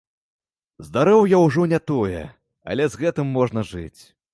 Здароўе ўжо не тое, але з гэтым можна жыць.